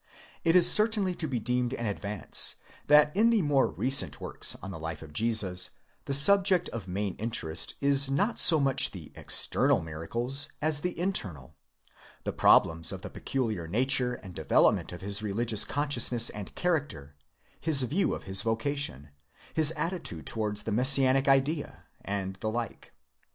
It is certainly to be deemed an advance that in the more recent works on the life of Jesus the subject of main interest is not so much the external miracles as the internal, the problems of the peculiar nature ~ and development of his religious consciousness and character, his view of his vocation, his attitude towards INTRODUCTION, XKV the Messianic idea, and the like.